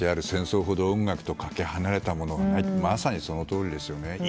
戦争ほど音楽とかけ離れたものはないってまさにそのとおりですよね。